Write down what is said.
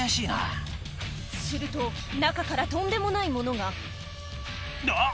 すると中からとんでもないものがあっ！